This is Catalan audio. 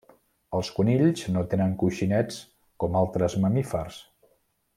Els conills no tenen coixinets com altres mamífers.